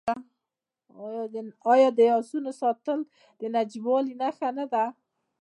آیا د اسونو ساتنه د نجیبوالي نښه نه ده؟